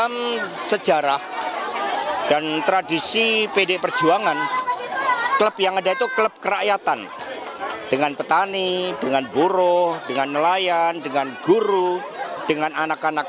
menurut hasto presiden sebaiknya menjalin hubungan baik dengan rakyat